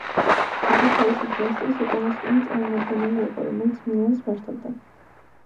იგი თავისი დინასტიის უკანასკნელი წარმომადგენელი იყო, რომელიც მილანს მართავდა.